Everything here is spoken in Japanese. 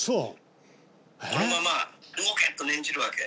このまま動け！と念じるわけ。